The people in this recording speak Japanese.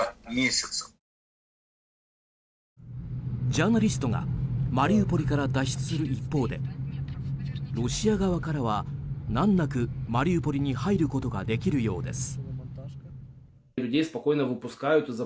ジャーナリストがマリウポリから脱出する一方でロシア側からは難なくマリウポリに入ることができるようです。